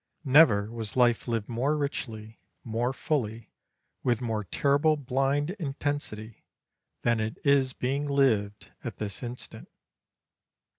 Never was life lived more richly, more fully, with more terrible blind intensity than it is being lived at this instant.